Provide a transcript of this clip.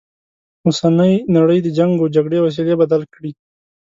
اوسنۍ نړی د جنګ و جګړې وسیلې بدل کړي.